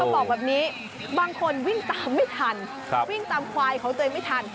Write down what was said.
บอกแบบนี้บางคนวิ่งตามไม่ทันวิ่งตามควายของตัวเองไม่ทัน